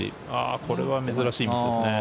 これは珍しいミスですね。